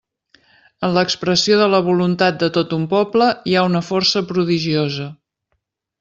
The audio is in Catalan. En l'expressió de la voluntat de tot un poble hi ha una força prodigiosa.